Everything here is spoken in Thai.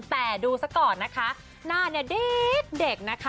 แต่ดูซะก่อนนะคะหน้าเนี่ยเด็กนะคะ